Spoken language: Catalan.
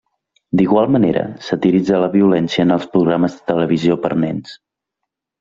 D'igual manera, satiritza la violència en els programes de televisió per a nens.